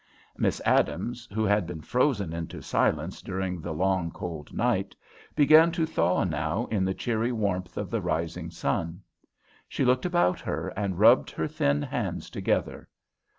Miss Adams, who had been frozen into silence during the long cold night, began to thaw now in the cheery warmth of the rising sun. She looked about her, and rubbed her thin hands together.